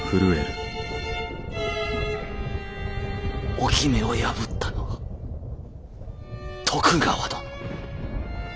置目を破ったのは徳川殿。